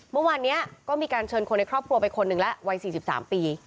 มึงวันนี้ก็มีการเชิญคนในครอบครัวไปคนนึงละวัยสี่สิบสามปี